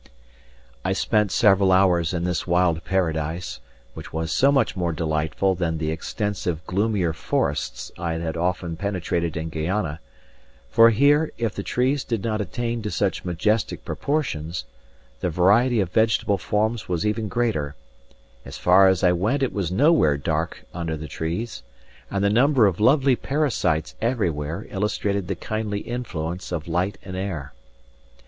I spent several hours in this wild paradise, which was so much more delightful than the extensive gloomier forests I had so often penetrated in Guayana; for here, if the trees did not attain to such majestic proportions, the variety of vegetable forms was even greater; as far as I went it was nowhere dark under the trees, and the number of lovely parasites everywhere illustrated the kindly influence of light and air.